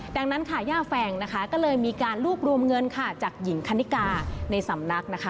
ดังนั้นค่ะย่าแฟงนะคะก็เลยมีการรวบรวมเงินค่ะจากหญิงคณิกาในสำนักนะคะ